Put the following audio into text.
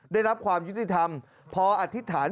ได้รับความยุติธรรมพออธิษฐาน